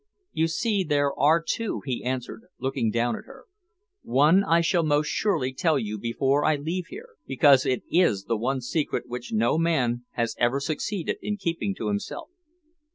"You see, there are two," he answered, looking down at her. "One I shall most surely tell you before I leave here, because it is the one secret which no man has ever succeeded in keeping to himself.